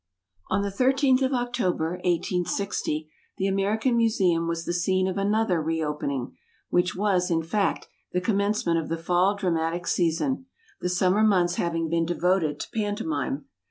On the 13th of October, 1860, the American Museum was the scene of another re opening, which was, in fact, the commencement of the fall dramatic season, the summer months having been devoted to pantomime.